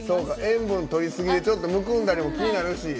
塩分とりすぎでむくんだりも気になるし。